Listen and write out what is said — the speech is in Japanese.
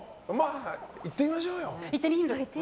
いってみましょうよ。